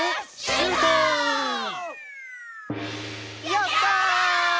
「やったー！！」